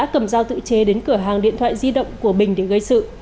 nguyễn công bình đã dùng dao tự chế đến cửa hàng điện thoại di động của bình để gây sự